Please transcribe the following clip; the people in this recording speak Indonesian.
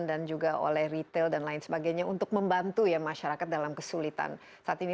dan juga oleh retail dan lain sebagainya untuk membantu masyarakat dalam kesulitan saat ini